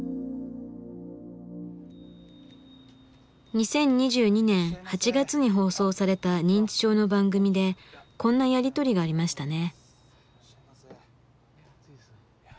２０２２年８月に放送された認知症の番組でこんなやり取りがありましたね。